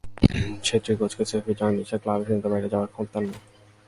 ছেত্রী কোচকে সাফ জানিয়ে দিয়েছেন, ক্লাবের সিদ্ধান্তের বাইরে যাওয়ার ক্ষমতা তাঁর নেই।